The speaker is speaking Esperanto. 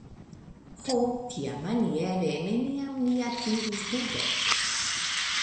Ho, tiamaniere neniam mi atingus dudek!